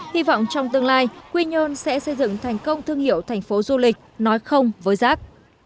hy vọng trong tương lai quy nhơn sẽ xây dựng thành công thương hiệu thành phố du lịch nói không với rác